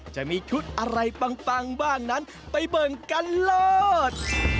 จะมีชุดอะไรปังบ้านนั้นไปเบิ่งกันเลิศ